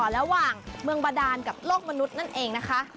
ระหว่างเมืองบาดานกับโลกมนุษย์นั่นเองนะคะ